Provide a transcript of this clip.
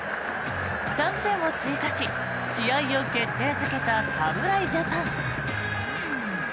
３点を追加し、試合を決定付けた侍ジャパン。